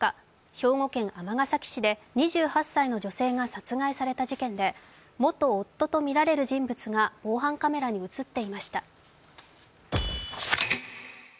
兵庫県西宮市で２８歳の女性が殺害された事件で元夫とみられる人物が防犯カメラに映っていました。